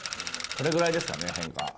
それぐらいですかね変化。